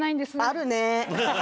あるね。